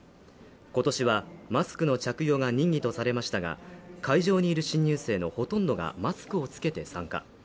今年はマスクの着用が任意とされましたが、会場にいる新入生のほとんどがマスクを着けて参加。